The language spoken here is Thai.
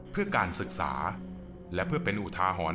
เพื่อการศึกษาและเพื่อเป็นอุทาหรณ์